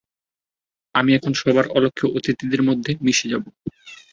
আমি এখন সবার অলক্ষ্যে অতিথিদের মাঝে মিশে যাব।